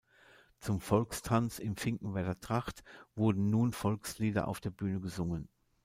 Zum Volkstanz in Finkenwerder Tracht wurden nun Volkslieder auf der Bühne gesungen.